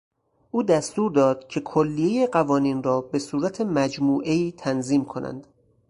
او دستور داد که کلیهی قوانین را به صورت مجموعهای تنظیم کنند.